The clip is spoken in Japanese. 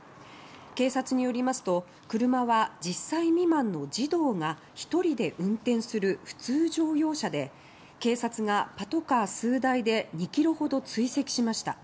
警察によりますと車は１０歳未満の児童が１人で運転する普通乗用車で警察がパトカー数台で２ｋｍほど追跡しました。